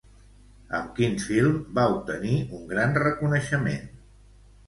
Amb quin film va obtenir un gran reconeixement?